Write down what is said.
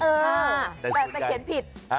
เออแต่เขียนผิด